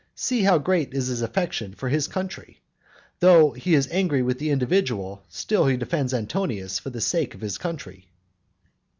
See how great is his affection for his country. Though he is angry with the individual, still he defends Antonius for the sake of his country.